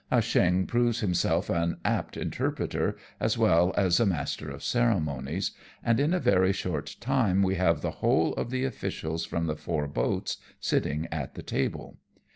Ah Cheong proves himself an apt interpreter as well as a master of ceremonies, and in a very short time we THE JAPANESE COME TO LUNCHEON. 143 have the whole of the officials from the four boats sitting at the table.